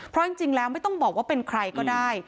เพราะจริงแล้วไม่ต้องบอกว่าเป็นใครก็ได้